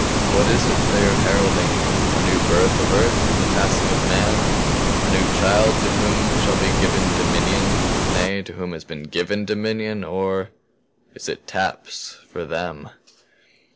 What is it they are heralding? A new birth of Earth and the passing of man? A new child to whom shall be given dominion nay, to whom has been given dominion? Or is it taps for Them?"